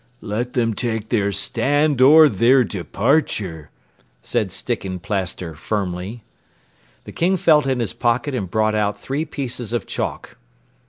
"Let them take their stand or their departure," said Sticken Plaster firmly. The King felt in his pocket and brought out three pieces of chalk.